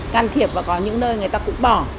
can thiệp và có những nơi người ta cũng bỏ